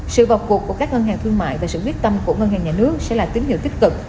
sự vọc cuộc của các ngân hàng thương mại và sự quyết tâm của ngân hàng nhà nước sẽ là tính nhu kích cực